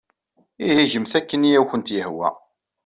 Ihi gemt akken ay awent-yehwa.